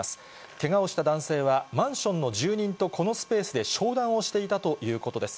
けがをした男性はマンションの住人と、このスペースで商談をしていたということです。